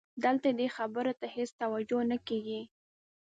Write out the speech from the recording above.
دلته دې خبرې ته هېڅ توجه نه کېږي.